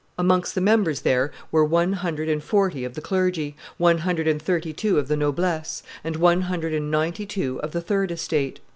Amongst the members there were one hundred and forty of the clergy, one hundred and thirty two of the noblesse, and one hundred and ninety two of the third estate.